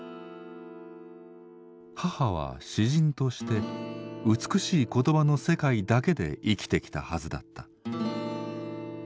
母は詩人として美しい言葉の世界だけで生きてきたはずだった。